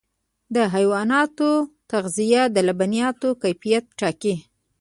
د حیواناتو تغذیه د لبنیاتو کیفیت ټاکي.